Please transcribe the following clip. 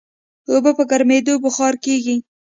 اوبه په ګرمېدو بخار کېږي.